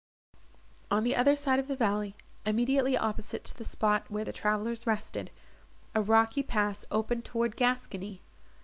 On the other side of the valley, immediately opposite to the spot where the travellers rested, a rocky pass opened toward Gascony.